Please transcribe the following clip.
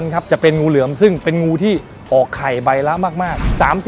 ครับจะเป็นงูเหลือมซึ่งเป็นงูที่ออกไข่ใบละมาก